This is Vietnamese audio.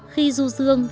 khi du dương